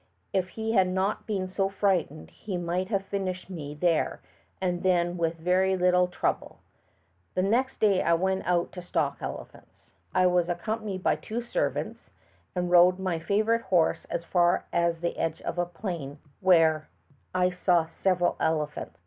If he had not been so frightened he might have finished me there and then with very little trouble. The next day I went out to stalk elephants. I was accompanied by two servants and rode my favorite horse as far as the edge of a plain, where 216 THE TALKING HANDKERCHIEF. I saw several elephants.